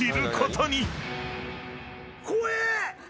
怖え！